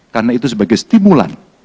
karena itu sebagai stimulan